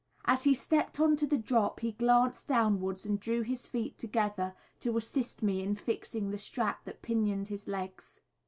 As he stepped on to the drop he glanced downwards and drew his feet together to assist me in fixing the strap that pinioned his legs.